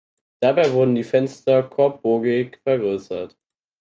Dabei wurden die Fenster korbbogig vergrößert.